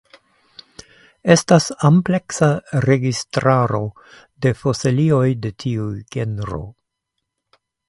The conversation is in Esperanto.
Estas ampleksa registraro de fosilioj de tiu genro.